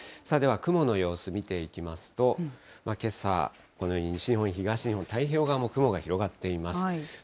では雲の様子見ていきますと、けさ、このように西日本、東日本、太平洋側も雲が広がっています。